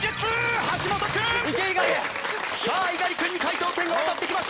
さあ猪狩君に解答権が渡ってきました。